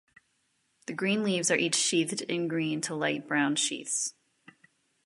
The green leaves are each sheathed in green to light brown sheaths.